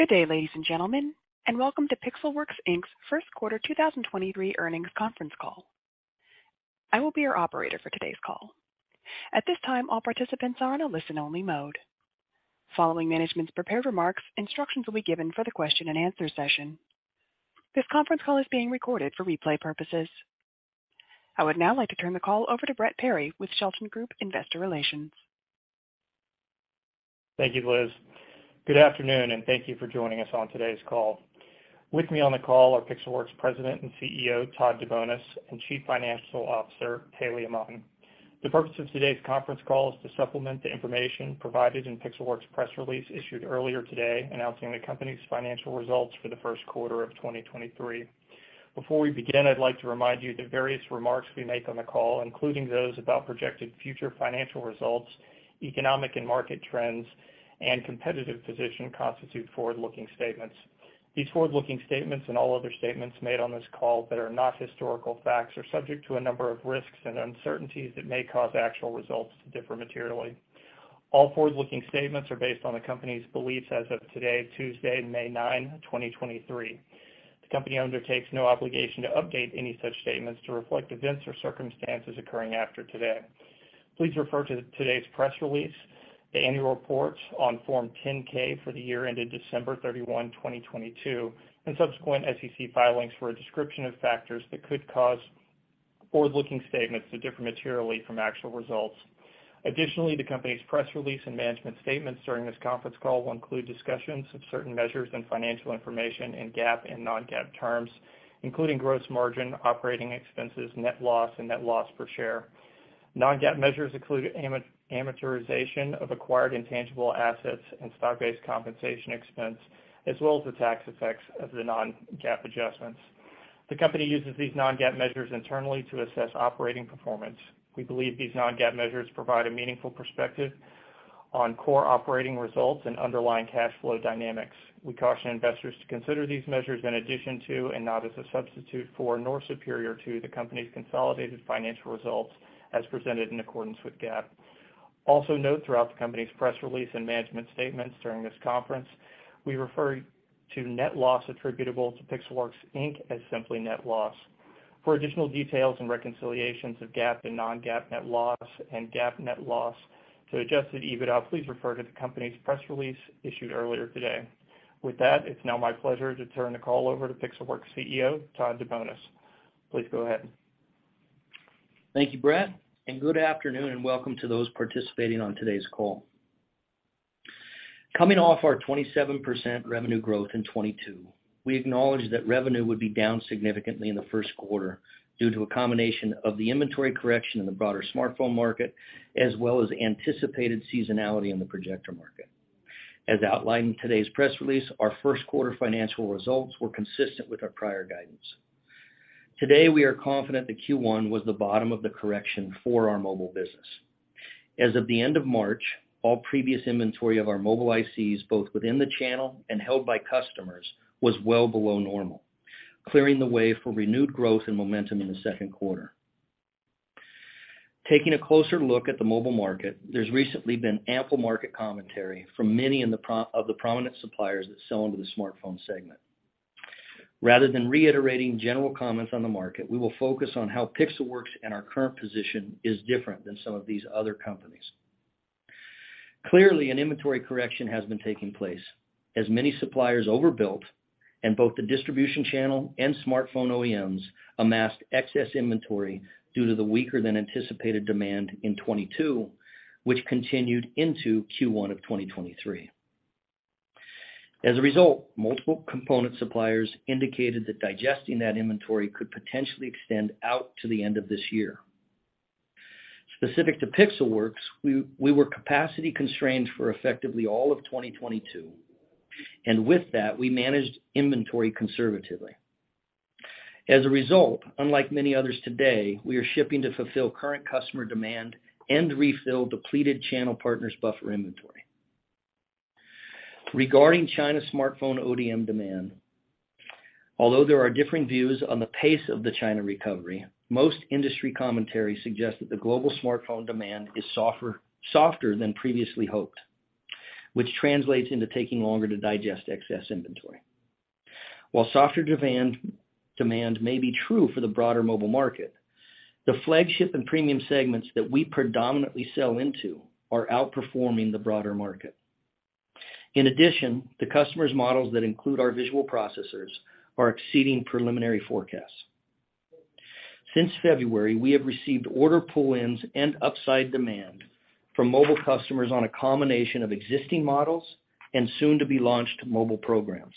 Good day, ladies and gentlemen, and welcome to Pixelworks Inc's First Quarter 2023 Earnings Conference Call. I will be your operator for today's call. At this time, all participants are in a listen-only mode. Following management's prepared remarks, instructions will be given for the question-and-answer session. This conference call is being recorded for replay purposes. I would now like to turn the call over to Brett Perry with Shelton Group Investor Relations. Thank you, Liz. Good afternoon, and thank you for joining us on today's call. With me on the call are Pixelworks President and CEO, Todd DeBonis, and Chief Financial Officer, Haley Aman. The purpose of today's conference call is to supplement the information provided in Pixelworks' press release issued earlier today announcing the company's financial results for the first quarter of 2023. Before we begin, I'd like to remind you that various remarks we make on the call, including those about projected future financial results, economic and market trends, and competitive position, constitute forward-looking statements. These forward-looking statements and all other statements made on this call that are not historical facts are subject to a number of risks and uncertainties that may cause actual results to differ materially. All forward-looking statements are based on the company's beliefs as of today, Tuesday, May 9, 2023. The company undertakes no obligation to update any such statements to reflect events or circumstances occurring after today. Please refer to today's press release, the annual reports on Form 10-K for the year ended December 31, 2022, and subsequent SEC filings for a description of factors that could cause forward-looking statements to differ materially from actual results. Additionally, the company's press release and management statements during this conference call will include discussions of certain measures and financial information in GAAP and non-GAAP terms, including gross margin, operating expenses, net loss, and net loss per share. Non-GAAP measures include amortization of acquired intangible assets and stock-based compensation expense, as well as the tax effects of the non-GAAP adjustments. The company uses these non-GAAP measures internally to assess operating performance. We believe these non-GAAP measures provide a meaningful perspective on core operating results and underlying cash flow dynamics. We caution investors to consider these measures in addition to and not as a substitute for nor superior to the company's consolidated financial results as presented in accordance with GAAP. Note throughout the company's press release and management statements during this conference, we refer to net loss attributable to Pixelworks, Inc. as simply net loss. For additional details and reconciliations of GAAP and non-GAAP net loss and GAAP net loss to adjusted EBITDA, please refer to the company's press release issued earlier today. With that, it's now my pleasure to turn the call over to Pixelworks CEO, Todd DeBonis. Please go ahead. Thank you, Brett, and good afternoon, and welcome to those participating on today's call. Coming off our 27% revenue growth in 2022, we acknowledge that revenue would be down significantly in the first quarter due to a combination of the inventory correction in the broader smartphone market, as well as anticipated seasonality in the projector market. As outlined in today's press release, our first quarter financial results were consistent with our prior guidance. Today, we are confident that Q1 was the bottom of the correction for our mobile business. As of the end of March, all previous inventory of our mobile ICs, both within the channel and held by customers, was well below normal, clearing the way for renewed growth and momentum in the second quarter. Taking a closer look at the mobile market, there's recently been ample market commentary from many of the prominent suppliers that sell into the smartphone segment. Rather than reiterating general comments on the market, we will focus on how Pixelworks and our current position is different than some of these other companies. Clearly, an inventory correction has been taking place as many suppliers overbuilt and both the distribution channel and smartphone OEMs amassed excess inventory due to the weaker than anticipated demand in 2022, which continued into Q1 of 2023. As a result, multiple component suppliers indicated that digesting that inventory could potentially extend out to the end of this year. Specific to Pixelworks, we were capacity constrained for effectively all of 2022, and with that, we managed inventory conservatively. As a result, unlike many others today, we are shipping to fulfill current customer demand and refill depleted channel partners buffer inventory. Regarding China smartphone ODM demand, although there are differing views on the pace of the China recovery, most industry commentary suggests that the global smartphone demand is softer than previously hoped, which translates into taking longer to digest excess inventory. While softer demand may be true for the broader mobile market, the flagship and premium segments that we predominantly sell into are outperforming the broader market. In addition, the customer's models that include our visual processors are exceeding preliminary forecasts. Since February, we have received order pull-ins and upside demand from mobile customers on a combination of existing models and soon-to-be-launched mobile programs.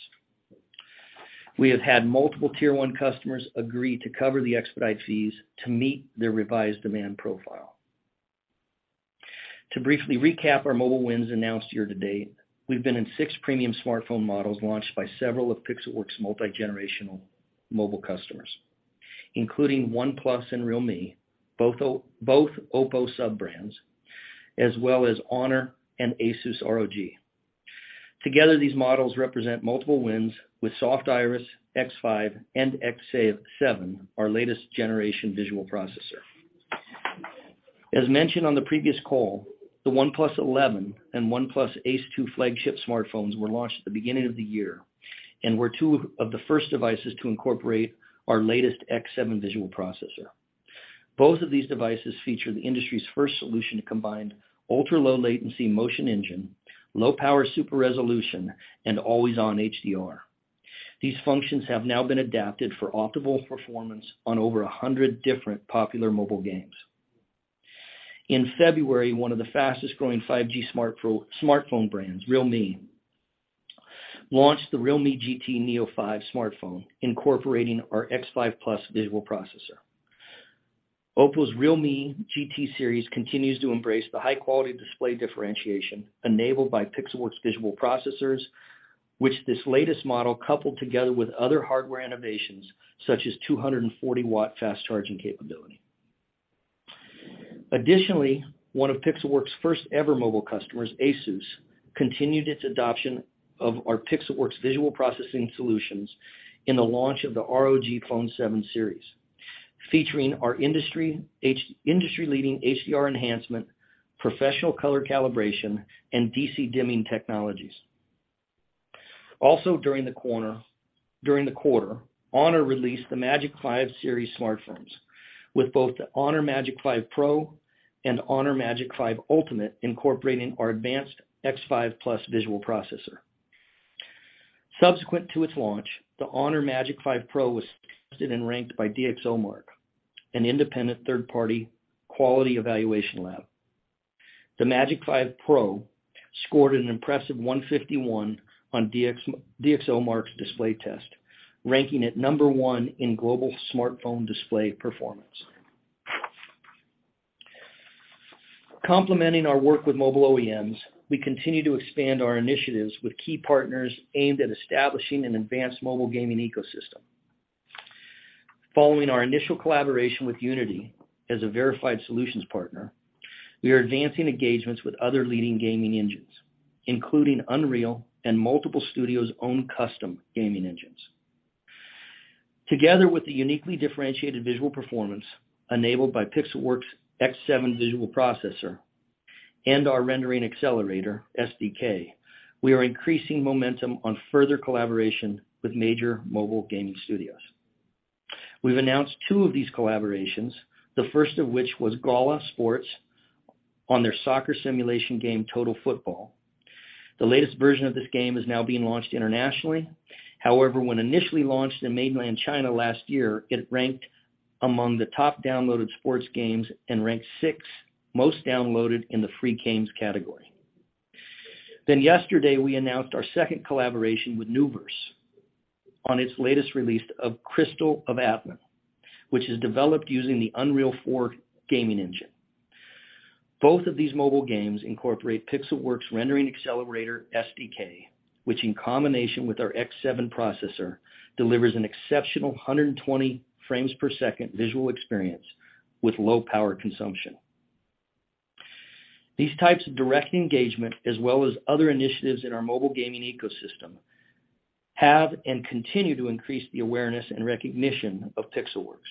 We have had multiple tier one customers agree to cover the expedite fees to meet their revised demand profile. To briefly recap our mobile wins announced year to date, we've been in 6 premium smartphone models launched by several of Pixelworks' multi-generational mobile customers, including OnePlus and realme, both OPPO sub-brands, as well as HONOR and ASUS ROG. Together, these models represent multiple wins with Soft Iris, X5, and X7, our latest generation visual processor. As mentioned on the previous call, the OnePlus 11 and OnePlus Ace 2 flagship smartphones were launched at the beginning of the year and were two of the first devices to incorporate our latest X7 visual processor. Both of these devices feature the industry's first solution to combine ultra-low latency MotionEngine, low power Super-Resolution, and always-on HDR. These functions have now been adapted for optimal performance on over 100 different popular mobile games. In February, one of the fastest-growing 5G smartphone brands, realme, launched the realme GT Neo 5 smartphone, incorporating our X5 Plus visual processor. OPPO's realme GT series continues to embrace the high-quality display differentiation enabled by Pixelworks' visual processors, which this latest model coupled together with other hardware innovations, such as 240 watt fast charging capability. One of Pixelworks' first-ever mobile customers, ASUS, continued its adoption of our Pixelworks visual processing solutions in the launch of the ROG Phone 7 series, featuring our industry-leading HDR enhancement, professional color calibration, and DC dimming technologies. During the quarter, HONOR released the Magic 5 series smartphones, with both the HONOR Magic 5 Pro and HONOR Magic 5 Ultimate incorporating our advanced X5 Plus visual processor. Subsequent to its launch, the HONOR Magic 5 Pro was tested and ranked by DxOMark, an independent third-party quality evaluation lab. The Magic 5 Pro scored an impressive 151 on DxOMark's display test, ranking it number 1 in global smartphone display performance. Complementing our work with mobile OEMs, we continue to expand our initiatives with key partners aimed at establishing an advanced mobile gaming ecosystem. Following our initial collaboration with Unity as a verified solutions partner, we are advancing engagements with other leading gaming engines, including Unreal and multiple studios' own custom gaming engines. Together with the uniquely differentiated visual performance enabled by Pixelworks' X7 visual processor and our Rendering Accelerator SDK, we are increasing momentum on further collaboration with major mobile gaming studios. We've announced two of these collaborations, the first of which was GALA Sports on their soccer simulation game, Total Football. The latest version of this game is now being launched internationally. However, when initially launched in Mainland China last year, it ranked among the top downloaded sports games and ranked six most downloaded in the free games category. Yesterday, we announced our second collaboration with Nuverse on its latest release of Crystal of Atlan, which is developed using the Unreal Engine 4 gaming engine. Both of these mobile games incorporate Pixelworks' Rendering Accelerator SDK, which in combination with our X7 processor, delivers an exceptional 120 frames per second visual experience with low power consumption. These types of direct engagement, as well as other initiatives in our mobile gaming ecosystem, have and continue to increase the awareness and recognition of Pixelworks.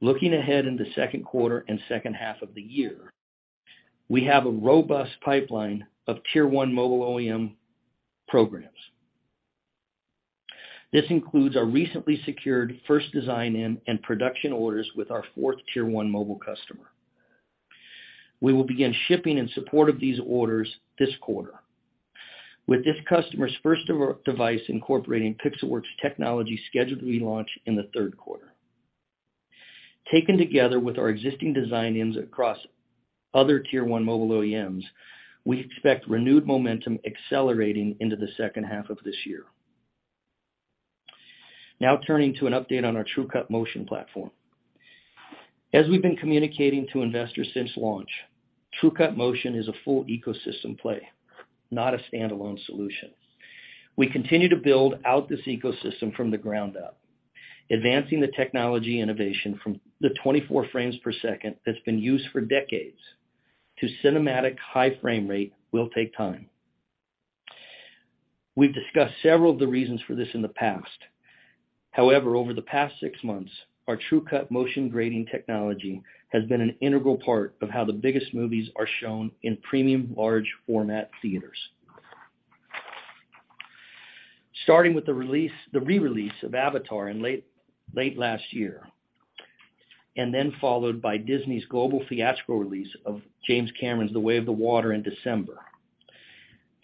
Looking ahead in the second quarter and second half of the year, we have a robust pipeline of tier one mobile OEM programs. This includes our recently secured first design in and production orders with our 4th tier one mobile customer. We will begin shipping in support of these orders this quarter. With this customer's first device incorporating Pixelworks technology scheduled to be launched in the third quarter. Taken together with our existing design ins across other tier one mobile OEMs, we expect renewed momentum accelerating into the second half of this year. Turning to an update on our TrueCut Motion platform. As we've been communicating to investors since launch, TrueCut Motion is a full ecosystem play, not a standalone solution. We continue to build out this ecosystem from the ground up, advancing the technology innovation from the 24 frames per second that's been used for decades to cinematic high frame rate will take time. We've discussed several of the reasons for this in the past. However, over the past six months, our TrueCut Motion grading technology has been an integral part of how the biggest movies are shown in premium large format theaters. Starting with the re-release of Avatar in late last year, followed by Disney's global theatrical release of James Cameron's The Way of Water in December,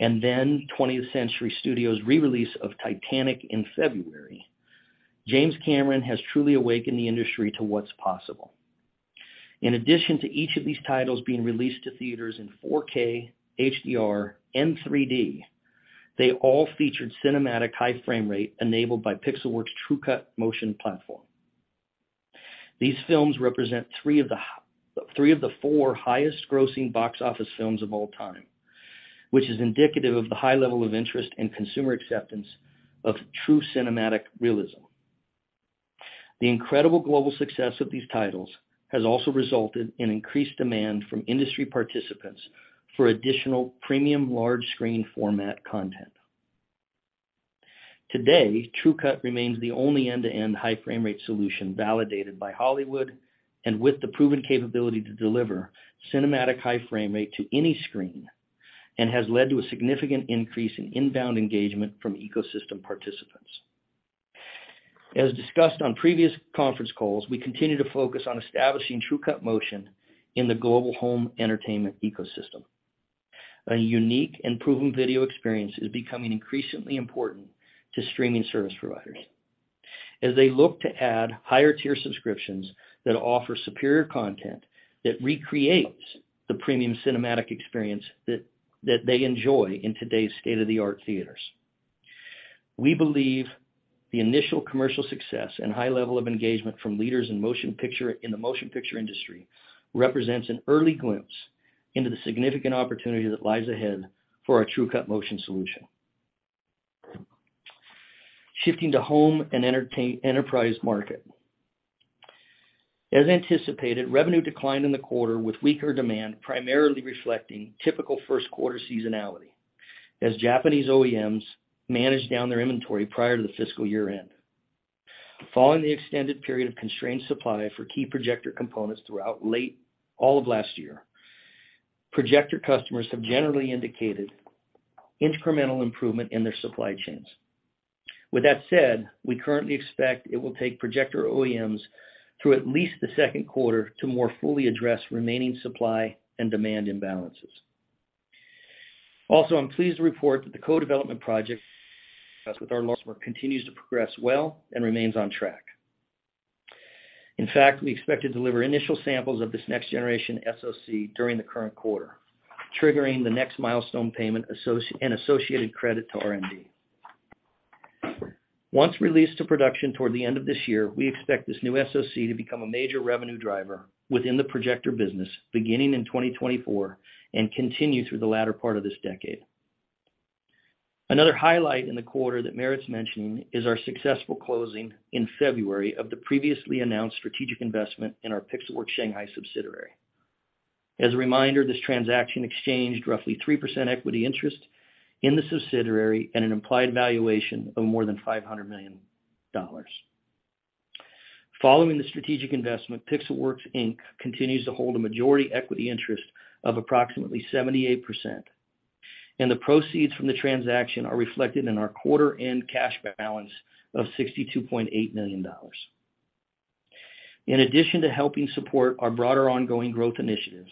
20th Century Studios' re-release of Titanic in February, James Cameron has truly awakened the industry to what's possible. In addition to each of these titles being released to theaters in 4K HDR 3D, they all featured cinematic high frame rate enabled by Pixelworks' TrueCut Motion platform. These films represent three of the three of the four highest grossing box office films of all time, which is indicative of the high level of interest and consumer acceptance of true cinematic realism. The incredible global success of these titles has also resulted in increased demand from industry participants for additional premium large screen format content. Today, TrueCut remains the only end-to-end high frame rate solution validated by Hollywood, and with the proven capability to deliver cinematic high frame rate to any screen, and has led to a significant increase in inbound engagement from ecosystem participants. As discussed on previous conference calls, we continue to focus on establishing TrueCut Motion in the global home entertainment ecosystem. A unique and proven video experience is becoming increasingly important to streaming service providers as they look to add higher-tier subscriptions that offer superior content that recreates the premium cinematic experience that they enjoy in today's state-of-the-art theaters. We believe the initial commercial success and high level of engagement in the motion picture industry represents an early glimpse into the significant opportunity that lies ahead for our TrueCut Motion solution. Shifting to home and enterprise market. As anticipated, revenue declined in the quarter with weaker demand, primarily reflecting typical first quarter seasonality as Japanese OEMs managed down their inventory prior to the fiscal year-end. Following the extended period of constrained supply for key projector components throughout late all of last year, projector customers have generally indicated incremental improvement in their supply chains. We currently expect it will take projector OEMs through at least the second quarter to more fully address remaining supply and demand imbalances. I'm pleased to report that the co-development project with our continues to progress well and remains on track. In fact, we expect to deliver initial samples of this next-generation SoC during the current quarter, triggering the next milestone payment associated credit to RMD. Once released to production toward the end of this year, we expect this new SoC to become a major revenue driver within the projector business beginning in 2024 and continue through the latter part of this decade. Another highlight in the quarter that merits mentioning is our successful closing in February of the previously announced strategic investment in our Pixelworks Shanghai subsidiary. As a reminder, this transaction exchanged roughly 3% equity interest in the subsidiary at an implied valuation of more than $500 million. Following the strategic investment, Pixelworks, Inc. continues to hold a majority equity interest of approximately 78%. The proceeds from the transaction are reflected in our quarter end cash balance of $62.8 million. In addition to helping support our broader ongoing growth initiatives,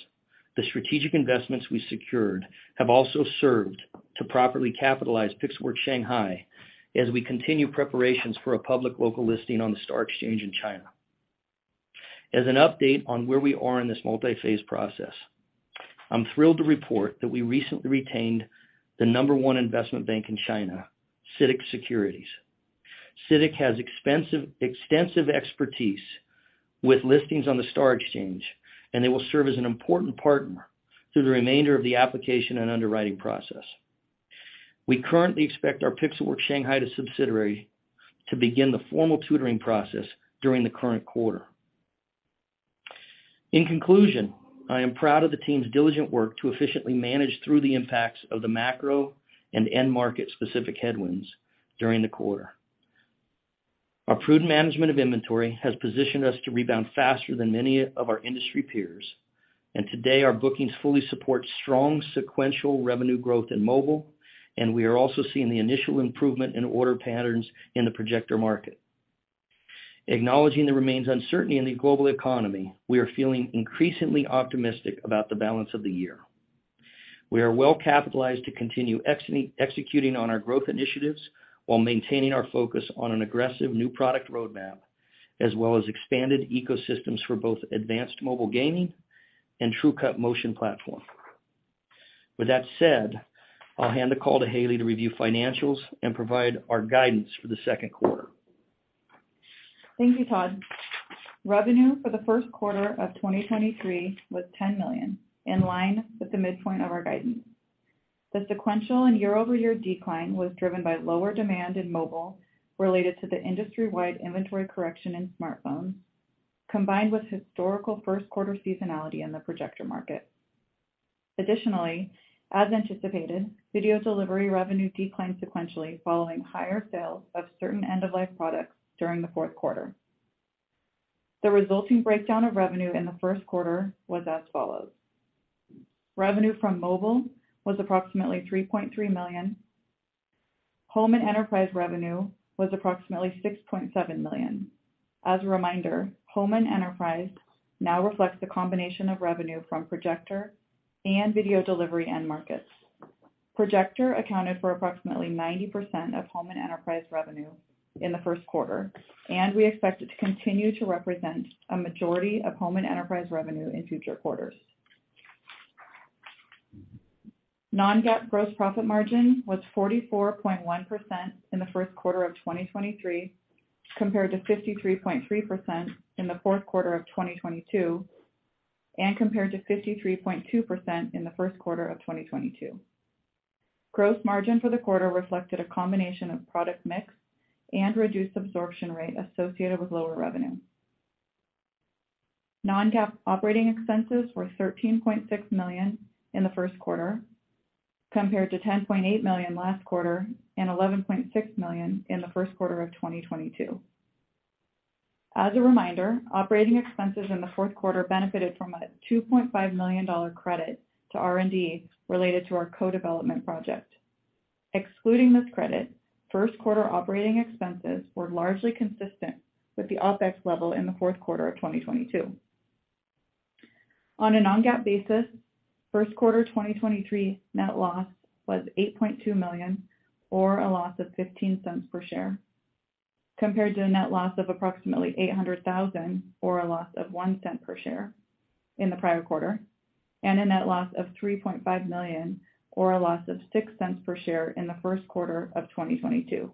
the strategic investments we secured have also served to properly capitalize Pixelworks Shanghai as we continue preparations for a public local listing on the Star Exchange in China. As an update on where we are in this multi-phase process, I'm thrilled to report that we recently retained the number one investment bank in China, CITIC Securities. CITIC has extensive expertise with listings on the Star Exchange. They will serve as an important partner through the remainder of the application and underwriting process. We currently expect our Pixelworks Shanghai subsidiary to begin the formal tutoring process during the current quarter. In conclusion, I am proud of the team's diligent work to efficiently manage through the impacts of the macro and end market-specific headwinds during the quarter. Our prudent management of inventory has positioned us to rebound faster than many of our industry peers. Today our bookings fully support strong sequential revenue growth in mobile. We are also seeing the initial improvement in order patterns in the projector market. Acknowledging there remains uncertainty in the global economy, we are feeling increasingly optimistic about the balance of the year. We are well-capitalized to continue executing on our growth initiatives while maintaining our focus on an aggressive new product roadmap, as well as expanded ecosystems for both advanced mobile gaming and TrueCut Motion platform. That said, I'll hand the call to Haley to review financials and provide our guidance for the second quarter. Thank you, Todd. Revenue for the first quarter of 2023 was $10 million, in line with the midpoint of our guidance. The sequential and year-over-year decline was driven by lower demand in mobile related to the industry-wide inventory correction in smartphones, combined with historical first quarter seasonality in the projector market. Additionally, as anticipated, video delivery revenue declined sequentially following higher sales of certain end-of-life products during the fourth quarter. The resulting breakdown of revenue in the first quarter was as follows: Revenue from mobile was approximately $3.3 million. Home and enterprise revenue was approximately $6.7 million. As a reminder, home and enterprise now reflects the combination of revenue from projector and video delivery end markets. Projector accounted for approximately 90% of home and enterprise revenue in the first quarter. We expect it to continue to represent a majority of home and enterprise revenue in future quarters. Non-GAAP gross profit margin was 44.1% in the first quarter of 2023, compared to 53.3% in the fourth quarter of 2022, and compared to 53.2% in the first quarter of 2022. Gross margin for the quarter reflected a combination of product mix and reduced absorption rate associated with lower revenue. Non-GAAP operating expenses were $13.6 million in the first quarter compared to $10.8 million last quarter and $11.6 million in the first quarter of 2022. As a reminder, operating expenses in the fourth quarter benefited from a $2.5 million credit to R&D related to our co-development project. Excluding this credit, first quarter operating expenses were largely consistent with the OpEx level in the fourth quarter of 2022. On a non-GAAP basis, first quarter 2023 net loss was $8.2 million or a loss of $0.15 per share, compared to a net loss of approximately $800,000 or a loss of $0.01 per share in the prior quarter, and a net loss of $3.5 million or a loss of $0.06 per share in the first quarter of 2022.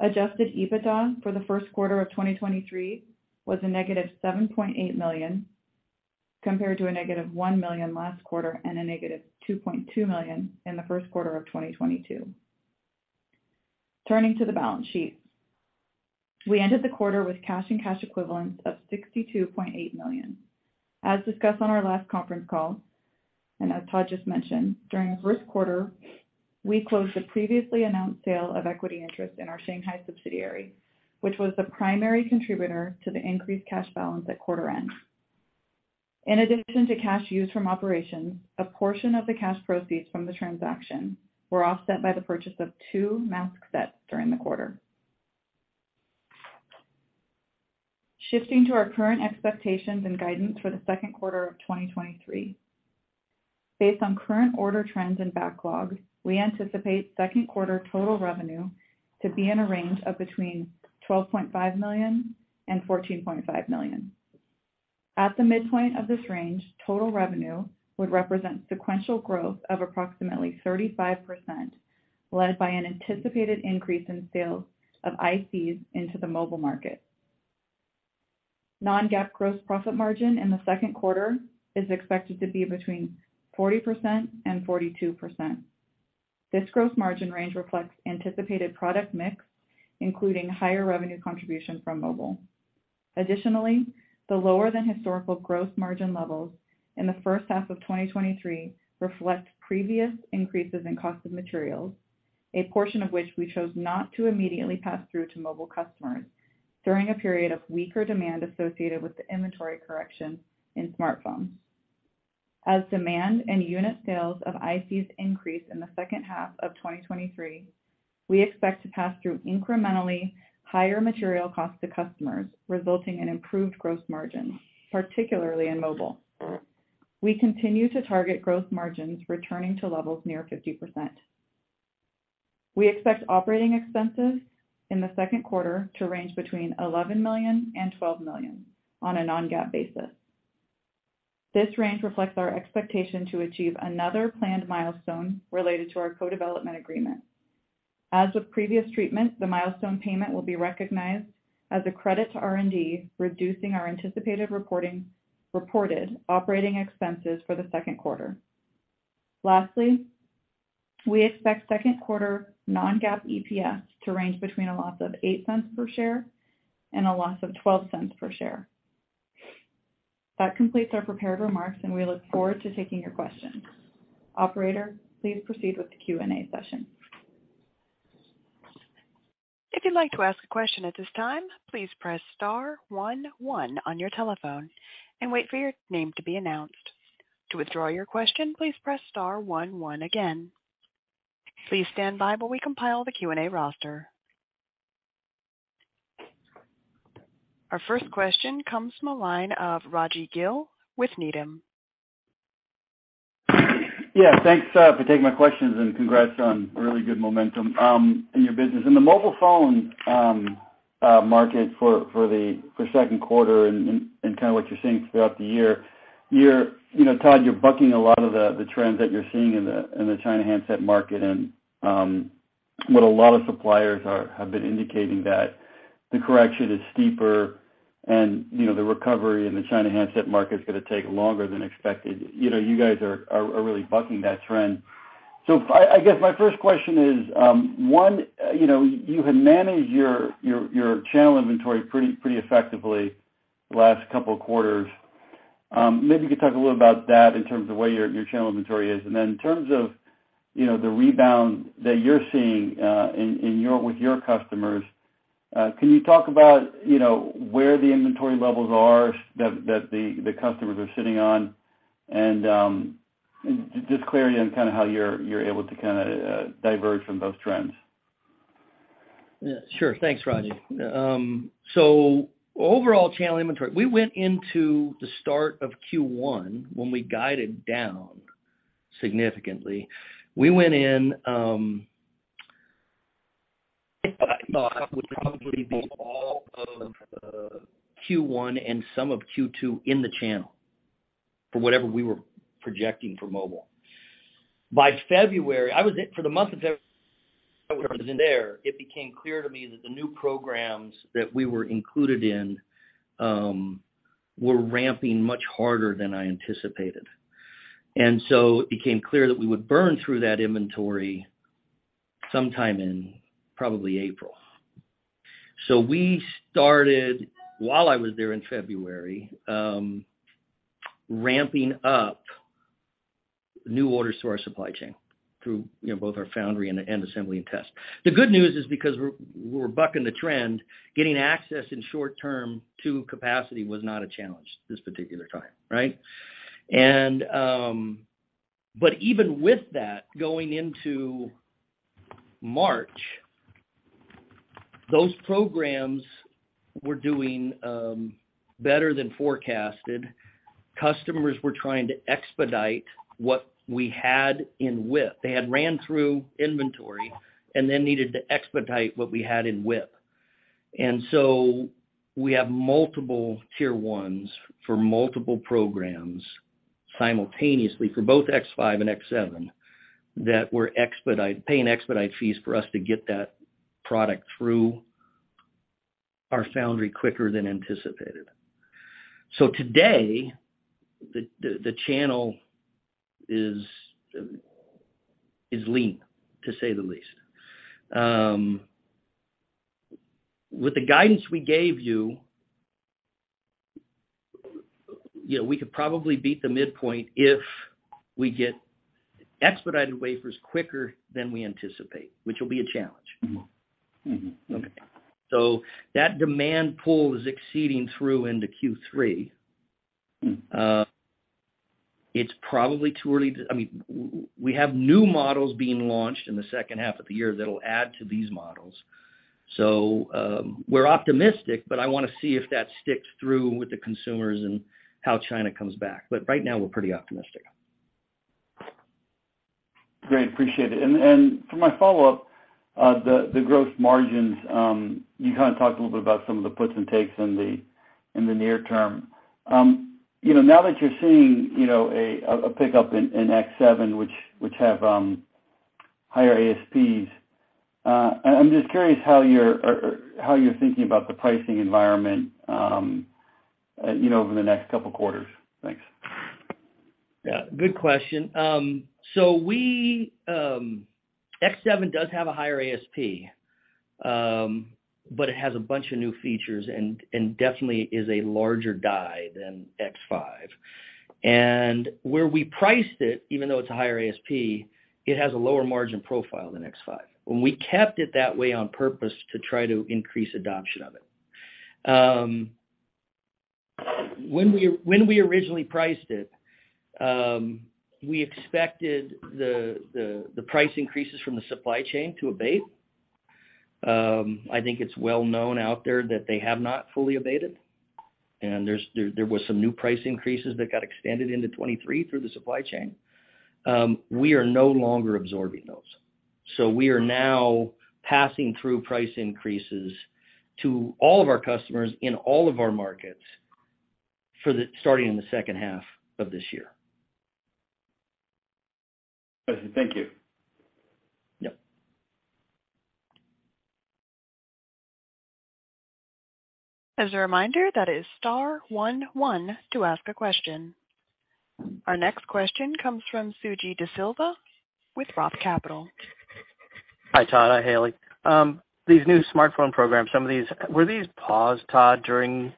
Adjusted EBITDA for the first quarter of 2023 was a negative $7.8 million, compared to a negative $1 million last quarter and a negative $2.2 million in the first quarter of 2022. Turning to the balance sheet. We ended the quarter with cash and cash equivalents of $62.8 million. As discussed on our last conference call, and as Todd just mentioned, during the first quarter, we closed the previously announced sale of equity interest in our Shanghai subsidiary, which was the primary contributor to the increased cash balance at quarter end. In addition to cash used from operations, a portion of the cash proceeds from the transaction were offset by the purchase of two mask sets during the quarter. Shifting to our current expectations and guidance for the second quarter of 2023. Based on current order trends and backlogs, we anticipate second quarter total revenue to be in a range of between $12.5 million and $14.5 million. At the midpoint of this range, total revenue would represent sequential growth of approximately 35%, led by an anticipated increase in sales of ICs into the mobile market. non-GAAP gross profit margin in the second quarter is expected to be between 40% and 42%. This gross margin range reflects anticipated product mix, including higher revenue contribution from mobile. The lower than historical gross margin levels in the first half of 2023 reflect previous increases in cost of materials, a portion of which we chose not to immediately pass through to mobile customers during a period of weaker demand associated with the inventory correction in smartphones. As demand and unit sales of ICs increase in the second half of 2023, we expect to pass through incrementally higher material costs to customers, resulting in improved gross margins, particularly in mobile. We continue to target gross margins returning to levels near 50%. We expect operating expenses in the second quarter to range between $11 million and $12 million on a non-GAAP basis. This range reflects our expectation to achieve another planned milestone related to our co-development agreement. As with previous treatment, the milestone payment will be recognized as a credit to R&D, reducing our anticipated reported operating expenses for the second quarter. Lastly, we expect second quarter non-GAAP EPS to range between a loss of $0.08 per share and a loss of $0.12 per share. That completes our prepared remarks, and we look forward to taking your questions. Operator, please proceed with the Q&A session. If you'd like to ask a question at this time, please press star one one on your telephone and wait for your name to be announced. To withdraw your question, please press star one one again. Please stand by while we compile the Q&A roster. Our first question comes from a line of Raji Gill with Needham. Yeah, thanks for taking my questions and congrats on really good momentum in your business. In the mobile phone market for second quarter and kind of what you're seeing throughout the year, you're, you know, Todd, you're bucking a lot of the trends that you're seeing in the China handset market and what a lot of suppliers have been indicating that the correction is steeper and, you know, the recovery in the China handset market is gonna take longer than expected. You know, you guys are really bucking that trend. I guess my first question is, one, you know, you have managed your channel inventory pretty effectively the last couple of quarters. Maybe you could talk a little about that in terms of where your channel inventory is. In terms of, you know, the rebound that you're seeing with your customers, can you talk about, you know, where the inventory levels are that the customers are sitting on and, just clarity on kind of how you're able to kinda diverge from those trends. Yeah, sure. Thanks, Raji. Overall channel inventory, we went into the start of Q1 when we guided down significantly. We went in, I thought would probably be all of Q1 and some of Q2 in the channel for whatever we were projecting for mobile. By February, for the month of February, I was in there, it became clear to me that the new programs that we were included in, were ramping much harder than I anticipated. It became clear that we would burn through that inventory. Sometime in probably April. We started, while I was there in February, ramping up new orders to our supply chain through, you know, both our foundry and assembly and test. The good news is because we're bucking the trend, getting access in short term to capacity was not a challenge this particular time, right? Even with that, going into March, those programs were doing better than forecasted. Customers were trying to expedite what we had in WIP. They had ran through inventory and then needed to expedite what we had in WIP. We have multiple tier ones for multiple programs simultaneously for both X5 and X7 that were paying expedite fees for us to get that product through our foundry quicker than anticipated. Today, the channel is lean, to say the least. With the guidance we gave you know, we could probably beat the midpoint if we get expedited wafers quicker than we anticipate, which will be a challenge. Okay. That demand pull is exceeding through into Q3. It's probably too early to... I mean, we have new models being launched in the second half of the year that'll add to these models. We're optimistic, but I wanna see if that sticks through with the consumers and how China comes back. Right now, we're pretty optimistic. Great. Appreciate it. For my follow-up, the gross margins, you kinda talked a little bit about some of the puts and takes in the near term. You know, now that you're seeing, you know, a pickup in X7, which have higher ASPs, I'm just curious how you're, or how you're thinking about the pricing environment, you know, over the next couple quarters. Thanks. Yeah, good question. X7 does have a higher ASP, but it has a bunch of new features and definitely is a larger die than X5. Where we priced it, even though it's a higher ASP, it has a lower margin profile than X5. We kept it that way on purpose to try to increase adoption of it. When we originally priced it, we expected the price increases from the supply chain to abate. I think it's well known out there that they have not fully abated, and there's some new price increases that got extended into 2023 through the supply chain. We are no longer absorbing those. We are now passing through price increases to all of our customers in all of our markets starting in the second half of this year. Thank you. Yep. As a reminder, that is star one one to ask a question. Our next question comes from Suji Desilva with ROTH Capital. Hi, Todd. Hi, Haley. These new smartphone programs. Were these paused, Todd, during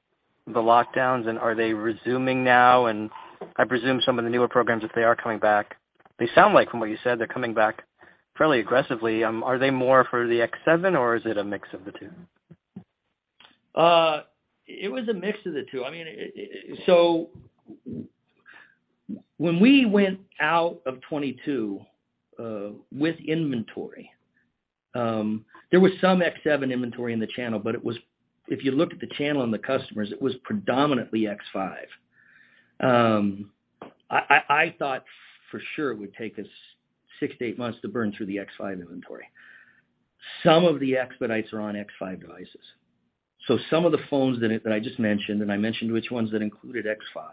the lockdowns, and are they resuming now? I presume some of the newer programs, if they are coming back, they sound like from what you said, they're coming back fairly aggressively. Are they more for the X7, or is it a mix of the two? It was a mix of the two. I mean, when we went out of 2022 with inventory, there was some X7 inventory in the channel, but if you look at the channel and the customers, it was predominantly X5. I thought for sure it would take us 6 to 8 months to burn through the X5 inventory. Some of the expedites are on X5 devices. Some of the phones that I just mentioned, and I mentioned which ones that included X5,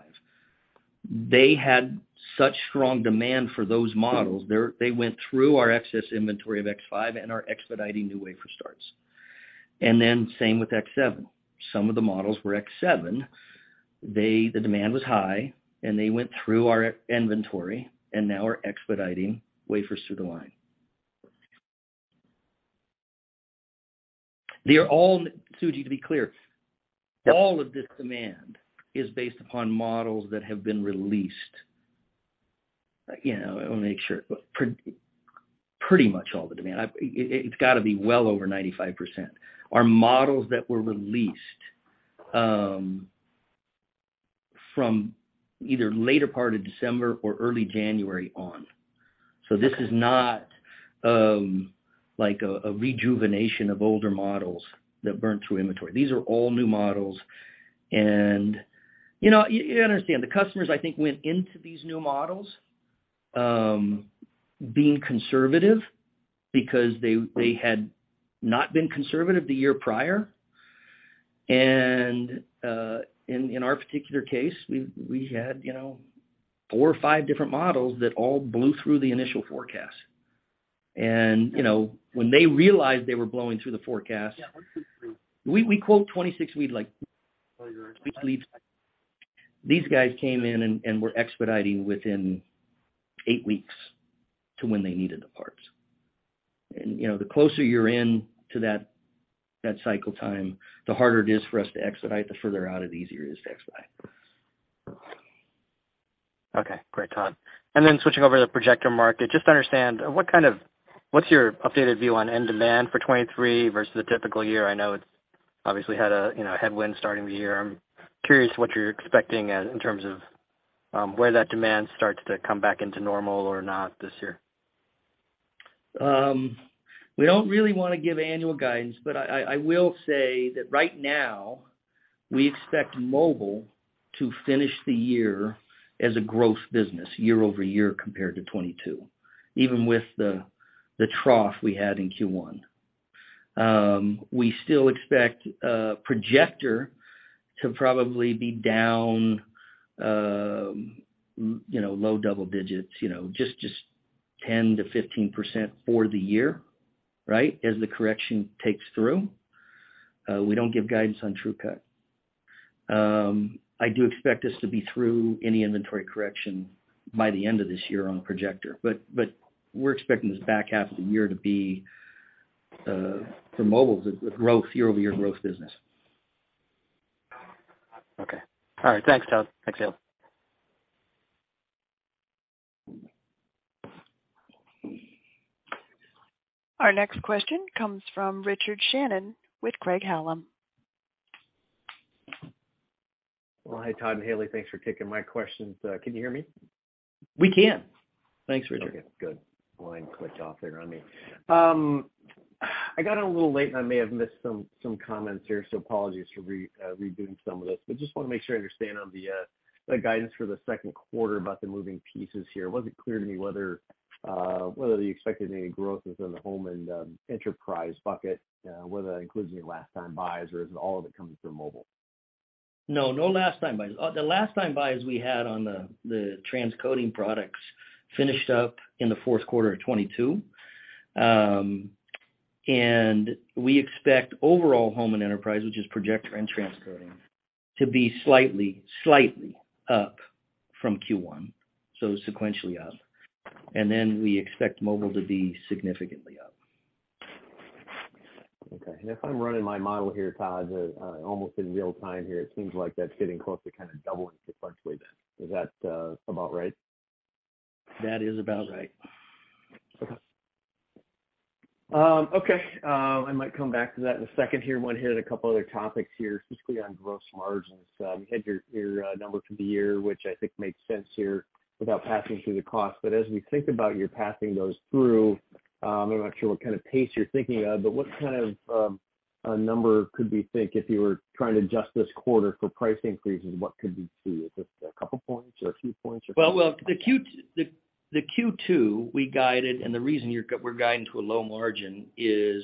they had such strong demand for those models, they went through our excess inventory of X5 and are expediting new wafer starts. Same with X7. Some of the models were X7. The demand was high, and they went through our inventory and now are expediting wafers through the line. They are all... Suji, to be clear... Yep. All of this demand is based upon models that have been released. You know, I wanna make sure. pretty much all the demand. It's gotta be well over 95%, are models that were released from either later part of December or early January on. This is not like a rejuvenation of older models that burnt through inventory. These are all new models. You know, you understand, the customers, I think, went into these new models being conservative because they had not been conservative the year prior. In our particular case, we had, you know, four or five different models that all blew through the initial forecast. You know, when they realized they were blowing through the forecast. We quote 26 week like these guys came in and were expediting within 8 weeks to when they needed the parts. You know, the closer you're in to that cycle time, the harder it is for us to expedite. The further out, the easier it is to expedite. Okay. Great, Todd. Switching over to the projector market, just to understand, what's your updated view on end demand for 2023 versus a typical year? I know it's obviously had a, you know, a headwind starting the year. I'm curious what you're expecting in terms of where that demand starts to come back into normal or not this year. We don't really want to give annual guidance, but I will say that right now, we expect mobile to finish the year as a growth business year-over-year compared to 2022, even with the trough we had in Q1. We still expect projector to probably be down, you know, low double digits, you know, just 10%-15% for the year, right? As the correction takes through. We don't give guidance on TrueCut. I do expect us to be through any inventory correction by the end of this year on projector. We're expecting this back half of the year to be for mobile, the growth, year-over-year growth business. Okay. All right. Thanks, Todd. Thanks, Haley. Our next question comes from Richard Shannon with Craig-Hallum. Hi, Todd and Haley. Thanks for taking my questions. Can you hear me? We can. Thanks, Richard. Okay, good. Line clicked off there on me. I got on a little late, and I may have missed some comments here, so apologies for redoing some of this. Just wanna make sure I understand on the guidance for the second quarter about the moving pieces here. It wasn't clear to me whether whether you expected any growth within the home and enterprise bucket, whether that includes any last-time buyers or is it all of it coming through mobile? No, no last-time buyers. The last-time buyers we had on the transcoding products finished up in the fourth quarter of 2022. We expect overall home and enterprise, which is projector and transcoding, to be slightly up from Q1, so sequentially up. We expect mobile to be significantly up. Okay. If I'm running my model here, Todd, almost in real time here, it seems like that's getting close to kinda doubling sequentially then. Is that about right? That is about right. Okay. Okay. I might come back to that in a second here. Wanna hit a couple other topics here, specifically on gross margins. You had your numbers for the year, which I think made sense here without passing through the cost. As we think about you passing those through, I'm not sure what kind of pace you're thinking of, but what kind of a number could we think if you were trying to adjust this quarter for price increases, what could we see? Is this a couple points or a few points? The Q2 we guided, the reason we're guiding to a low margin is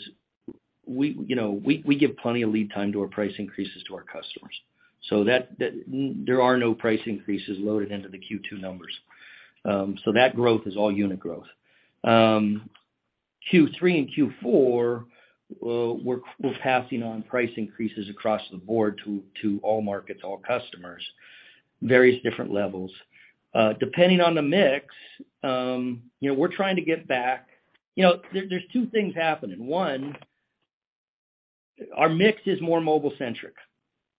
we, you know, we give plenty of lead time to our price increases to our customers. That there are no price increases loaded into the Q2 numbers. That growth is all unit growth. Q3 and Q4, we're passing on price increases across the board to all markets, all customers, various different levels. Depending on the mix, you know, we're trying to get back. You know, there's two things happening. One, our mix is more mobile-centric,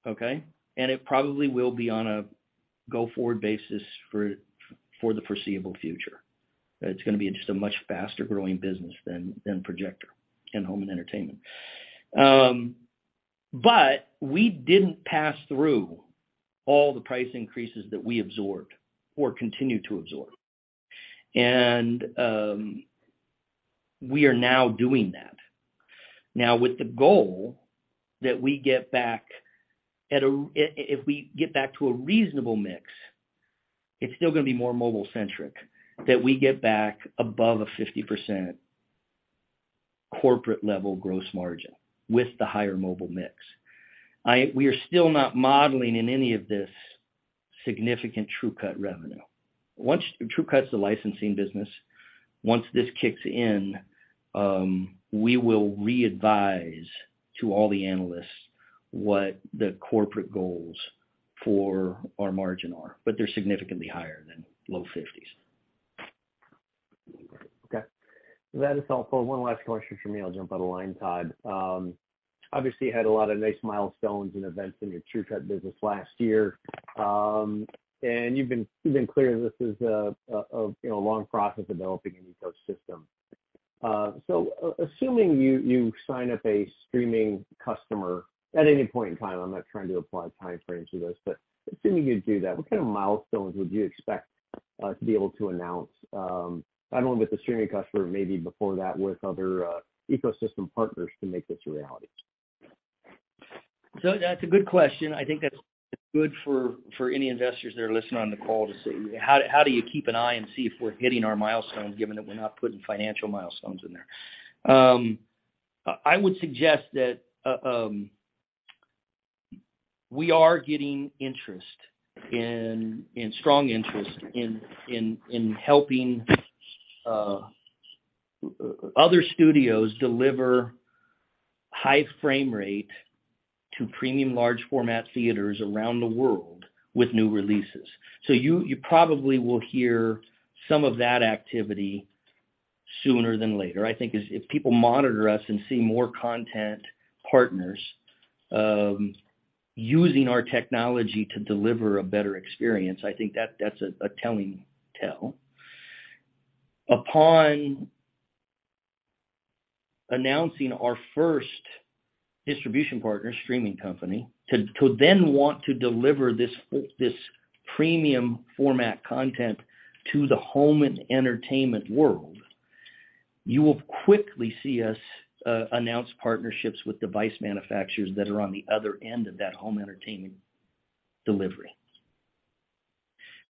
okay? It probably will be on a go-forward basis for the foreseeable future. It's gonna be just a much faster growing business than projector and home and entertainment. We didn't pass through all the price increases that we absorbed or continue to absorb. We are now doing that. Now, with the goal that if we get back to a reasonable mix, it's still gonna be more mobile-centric, that we get back above a 50% corporate level gross margin with the higher mobile mix. We are still not modeling in any of this significant TrueCut revenue. TrueCut's the licensing business. Once this kicks in, we will re-advise to all the analysts what the corporate goals for our margin are, but they're significantly higher than low 50s. That is all. One last question from me, I'll jump out of line, Todd. Obviously, you had a lot of nice milestones and events in your TrueCut business last year. You've been clear this is a, you know, a long process developing an ecosystem. Assuming you sign up a streaming customer at any point in time, I'm not trying to apply a timeframe to this, but assuming you do that, what kind of milestones would you expect to be able to announce, I don't know, with the streaming customer maybe before that with other ecosystem partners to make this a reality? That's a good question. I think that's good for any investors that are listening on the call to see. How do you keep an eye and see if we're hitting our milestones given that we're not putting financial milestones in there? I would suggest that we are getting interest in, and strong interest in helping other studios deliver high frame rate to premium large format theaters around the world with new releases. You probably will hear some of that activity sooner than later. I think if people monitor us and see more content partners using our technology to deliver a better experience, I think that that's a telling tell. Upon announcing our first distribution partner streaming company to then want to deliver this premium format content to the home and entertainment world, you will quickly see us announce partnerships with device manufacturers that are on the other end of that home entertainment delivery.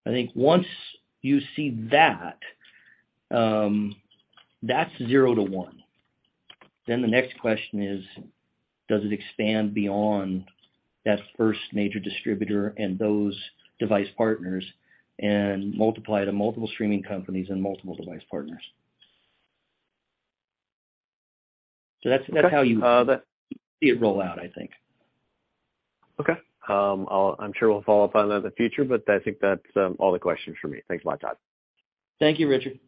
I think once you see that's zero to one. The next question is: Does it expand beyond that first major distributor and those device partners and multiply to multiple streaming companies and multiple device partners? That's how you see it roll out, I think. Okay. Okay. I'm sure we'll follow up on that in the future, but I think that's all the questions from me. Thanks a lot, Todd. Thank you, Richard.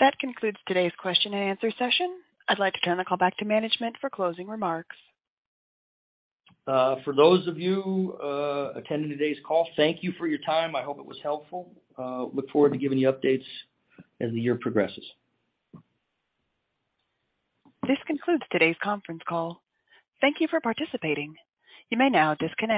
That concludes today's question-and-answer session. I'd like to turn the call back to management for closing remarks. For those of you attending today's call, thank you for your time. I hope it was helpful. Look forward to giving you updates as the year progresses. This concludes today's conference call. Thank you for participating. You may now disconnect.